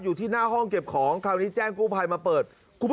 อยู่ที่หน้าห้องเก็บของคราวนี้แจ้งกู้ภัยมาเปิด